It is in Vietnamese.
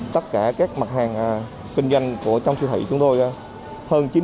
tất cả các mặt hàng kinh doanh trong siêu thị chúng tôi hơn chín mươi đều là hàng việt